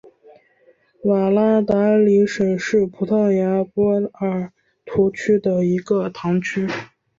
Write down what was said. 瓦拉达里什是葡萄牙波尔图区的一个堂区。